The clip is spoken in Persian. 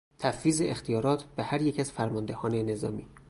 تفویض اختیارات به هر یک از فرماندهان نظامی